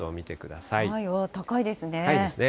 高いですね。